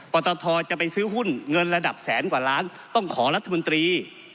ตทจะไปซื้อหุ้นเงินระดับแสนกว่าล้านต้องขอรัฐมนตรี